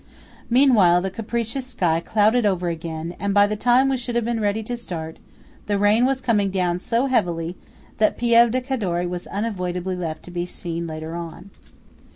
Meanwhile the capricious sky clouded over again; and by the time we should have been ready to start, the rain was coming down so heavily that Pieve di Cadore was unavoidably left to be seen later on.